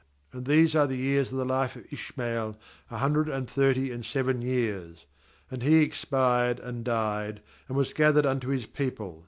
17And these are the years of the life of Ish mael, a hundred and thirty and seven years; and he expired and died; and was gathered unto his people.